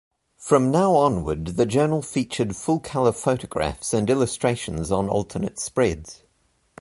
From now onward the journal featured full-colour photographs and illustrations on alternate spreads.